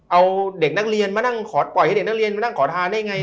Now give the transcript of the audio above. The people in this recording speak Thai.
เอาเด็กนักเรียนมานั่งขอทานได้ไง